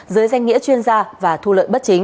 dưới danh nghĩa chuyên gia và thu lợi bất chính